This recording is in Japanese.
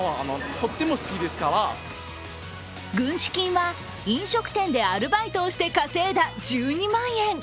軍資金は飲食店でアルバイトをして稼いだ１２万円。